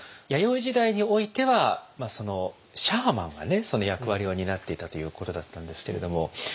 弥生時代においてはシャーマンがねその役割を担っていたということだったんですけれども。